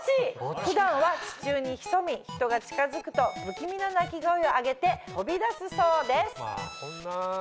普段は地中に潜み人が近づくと不気味な鳴き声をあげて飛び出すそうです。